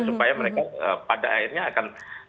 supaya mereka pada akhirnya akan